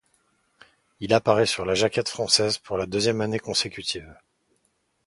Il apparaît sur la jaquette française pour la deuxième année consécutive.